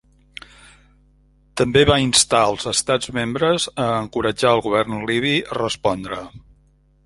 També va instar els Estats membres a encoratjar al govern libi a respondre.